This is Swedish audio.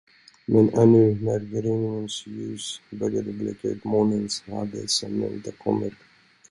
Men ännu när gryningens ljus började bleka ut månens hade sömnen inte kommit.